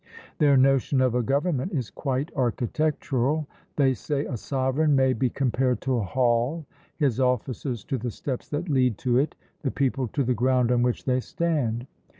Their notion of a government is quite architectural. They say, "A sovereign may be compared to a hall; his officers to the steps that lead to it; the people to the ground on which they stand."